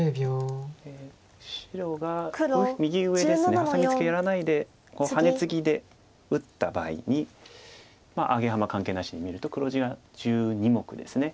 ハサミツケやらないでハネツギで打った場合にアゲハマ関係なしに見ると黒地が１２目です。